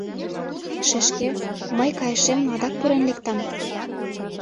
Шешке, мый, кайышемла, адак пурен лектам...